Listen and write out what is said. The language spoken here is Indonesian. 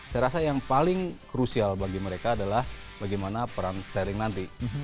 saya rasa yang paling krusial bagi mereka adalah bagaimana peran sterling nanti